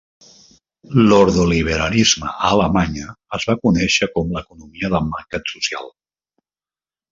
L'ordoliberalisme a Alemanya es va conèixer com l'economia de mercat social.